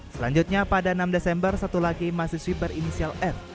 selanjutnya pada enam desember satu lagi masa swiper inisial r